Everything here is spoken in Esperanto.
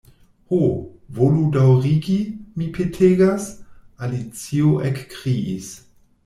"Ho, volu daŭrigi, mi petegas," Alicio ekkriis.